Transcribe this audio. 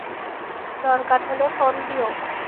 দরকার হলে ফোন দিও।